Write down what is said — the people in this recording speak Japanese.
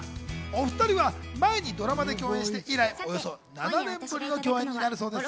お２人は前にドラマで共演して以来およそ７年ぶりの共演になるそうです。